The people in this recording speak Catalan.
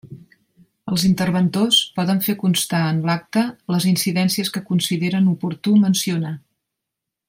Els interventors poden fer constar en l'acta les incidències que consideren oportú mencionar.